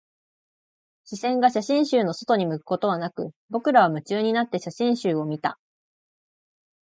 視線が写真集の外に向くことはなく、僕らは夢中になって写真集を見た